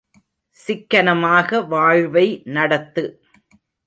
சிக்கனமாக வாழ்வை நடத்து.